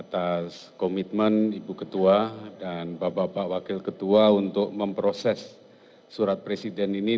atas komitmen ibu ketua dan bapak bapak wakil ketua untuk memproses surat presiden ini